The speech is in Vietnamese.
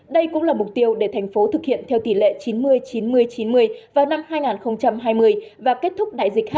đây cũng là mục tiêu để thành phố thực hiện theo tỷ lệ chín mươi chín mươi chín mươi vào năm hai nghìn hai mươi và kết thúc đại dịch hai nghìn hai